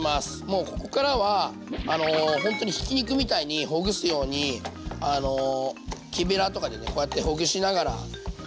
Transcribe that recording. もうここからはほんとにひき肉みたいにほぐすように木べらとかでねこうやってほぐしながら。